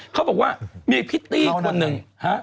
เขาบอกว่ามีพิตตี้คนหนึ่งฮะ